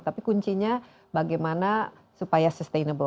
tapi kuncinya bagaimana supaya sustainable